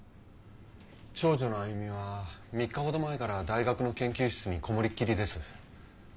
長女の亜由美は３日ほど前から大学の研究室にこもりっきりです。